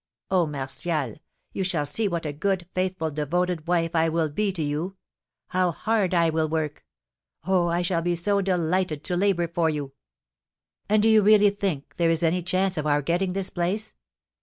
Oh, Martial, you shall see what a good, faithful, devoted wife I will be to you; how hard I will work! Oh, I shall be so delighted to labour for you!" "And do you really think there is any chance of our getting this place?"